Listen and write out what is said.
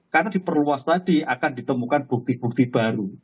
karena diperluas tadi akan ditemukan bukti bukti baru